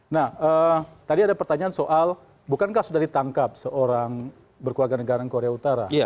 nah tadi ada pertanyaan soal bukankah sudah ditangkap seorang berkeluarga negara korea utara